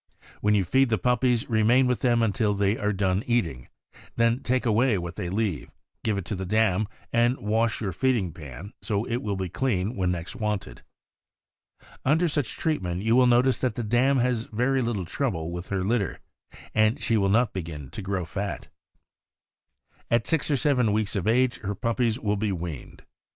When you feed the puppies, remain with them until they are done eating; then take away what they leave, give it to the dam, and wash your feeding pan, so it will be clean when next wanted. Under such treatment you will notice that the dam has very little trouble with her litter, and she will not begin to grow fat. At six or seven weeks of age her puppies will be weaned.